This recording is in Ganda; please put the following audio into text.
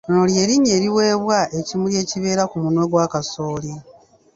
Lino ly’erinnya eriweebwa ekimuli ekibeera ku munwe gwa Kasooli